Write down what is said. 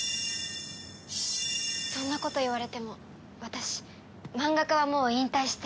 そんなこと言われても私マンガ家はもう引退して。